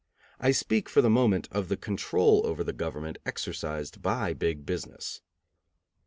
I speak, for the moment, of the control over the government exercised by Big Business.